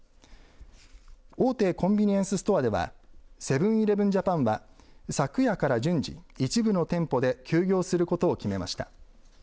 大手コンビニエンスストアではセブン−イレブン・ジャパンは昨夜から順次一部の店舗で休業することを決めました。